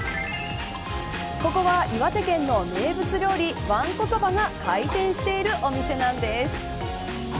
ここは岩手県の名物料理わんこそばが回転しているお店なんです。